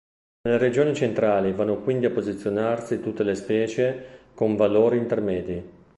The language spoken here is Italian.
Nelle regioni centrali vanno quindi a posizionarsi tutte le specie con valori intermedi.